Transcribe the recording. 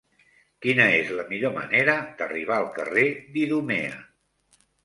Quina és la millor manera d'arribar al carrer d'Idumea?